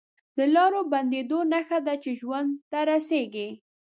د لارو بندېدو نښه ده چې ژوند ته رسېږي